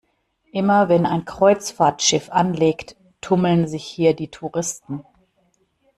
Immer wenn ein Kreuzfahrtschiff anlegt, tummeln sich hier die Touristen.